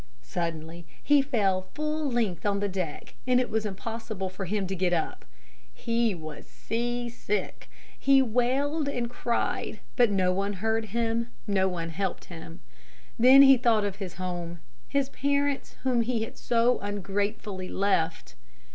Suddenly he fell full length on the deck and it was impossible for him to get up. He was seasick. He wailed and cried, but no one heard him, no one helped him. Then he thought of his home, his parents whom he had so ungratefully left.